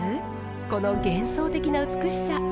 この幻想的な美しさ。